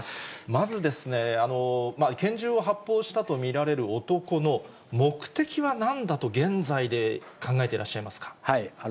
まずですね、拳銃を発砲したと見られる男の目的はなんだと現在で考えてらっしゃいますか。